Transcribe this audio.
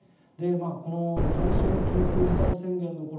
この最初の緊急事態宣言のころ